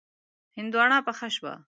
هندواڼه پخه شوه.